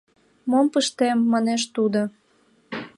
— Мом пыштем? — манеш тудо.